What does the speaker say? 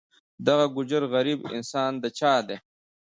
دغه ګوجر غریب انسان د چا دی.